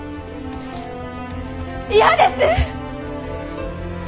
嫌です！